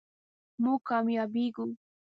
مونږ کامیابیږو